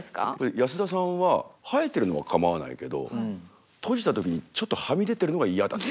ヤスダさんは生えてるのは構わないけど閉じた時にちょっとはみ出てるのが嫌だって。